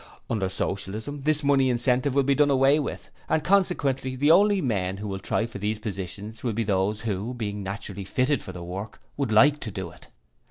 Under Socialism, this money incentive will be done away with, and consequently the only men who will try for these positions will be those who, being naturally fitted for the work, would like to do it.